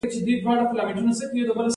په ژوند کې هېڅ چا ته زیان مه رسوئ.